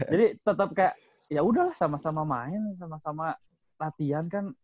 jadi tetep kayak ya udahlah sama sama main sama sama latihan kan